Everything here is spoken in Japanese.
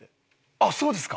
あっそうですか？